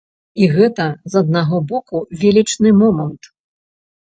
І гэта, з аднаго боку, велічны момант.